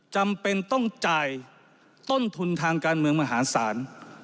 จำเป็นต้องจ่ายต้นทุนทางการเมืองมหาศาล